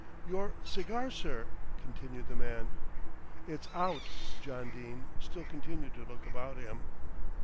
"Your cigar, sir," continued the man. "It's out." John Dene still continued to look about him.